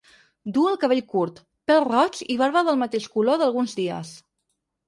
Duu el cabell curt, pèl-roig i barba del mateix color d’alguns dies.